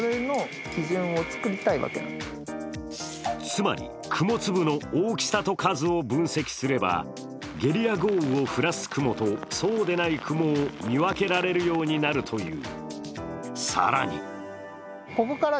つまり雲粒の大きさと数を分析すれば、ゲリラ豪雨を降らす雲とそうでない雲を見分けられるようになるという。